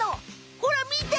ほら見て！